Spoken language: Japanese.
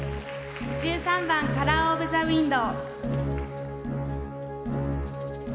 １３番「カラー・オブ・ザ・ウィンド」。